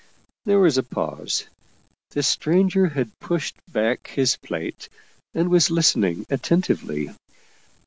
There was a pause. The stranger had pushed back his plate and was listening attentively.